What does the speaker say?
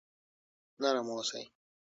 نرم اوسئ.